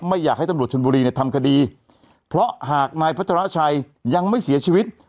อยากให้ตำรวจชนบุรีเนี่ยทำคดีเพราะหากนายพัชราชัยยังไม่เสียชีวิต